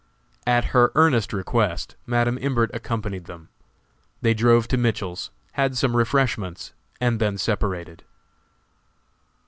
At her earnest request Madam Imbert accompanied them. They drove to Mitchell's, had some refreshments, and then separated.